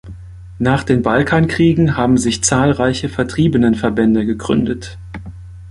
Nach den Balkankriegen haben sich zahlreiche Vertriebenenverbände gegründet.